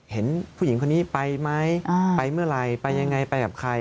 เห็นผู้หญิงคนนี้ไปไหมไปเมื่อไหร่ไปยังไงไปกับใคร